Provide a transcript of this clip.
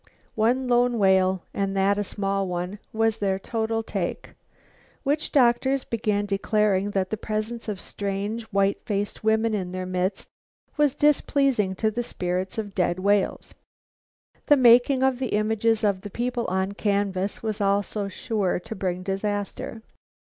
One lone whale, and that a small one, was their total take. Witch doctors began declaring that the presence of strange, white faced women in their midst was displeasing to the spirits of dead whales. The making of the images of the people on canvas was also sure to bring disaster.